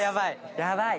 やばい！